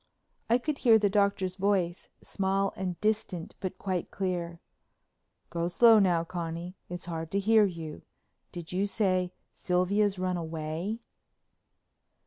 I could hear the Doctor's voice, small and distant but quite clear: "Go slow now, Connie, it's hard to hear you. Did you say Sylvia'd run away?"